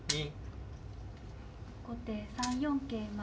後手３四桂馬。